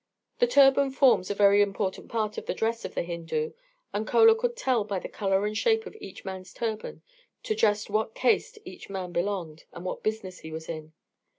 The turban forms a very important part of the dress of the Hindu, and Chola could tell by the colour and shape of each man's turban to just what caste each man belonged and what business he was in.